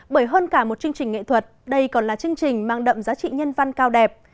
bởi hơn cả một chương trình nghệ thuật đây còn là chương trình mang đậm giá trị nhân văn cao đẹp